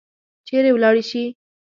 چیرې ولاړي شي؟